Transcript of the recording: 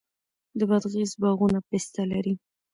د بادغیس باغونه پسته لري.